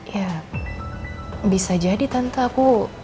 ya bisa jadi tentu aku